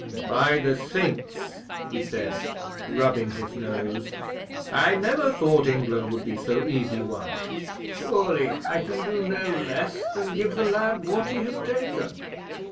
By the Saints," he said, rubbing his nose, "I never thought England would be so easy won! Surely I can do no less than give the lad what he has taken.